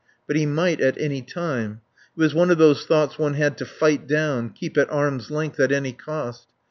But he might at any time. It was one of those thoughts one had to fight down, keep at arm's length at any cost.